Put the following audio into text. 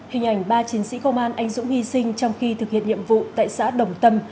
hình ảnh ba chiến sĩ công an anh dũng hy sinh trong khi thực hiện nhiệm vụ tại xã đồng tâm